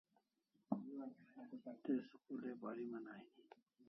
Te school ai pariman aini